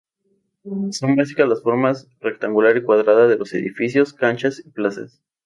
Son básicas las formas rectangular y cuadrada de los edificios, canchas y plazas.